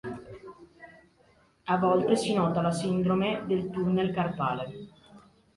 A volte si nota la sindrome del tunnel carpale.